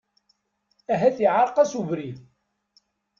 Ahat iraε-as ubrid.